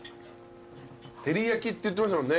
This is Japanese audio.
照り焼きって言ってましたもんね。